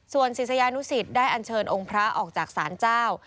ส่วนศีรสยานุศิษฐ์ได้อนเชิญองค์พระออกจากสารเจ้า